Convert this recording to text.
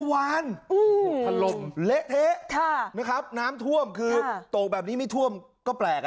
หวานหลบเหละเทน้ำท่วมโตงแบบนี้ไม่ท่วมก็แปลก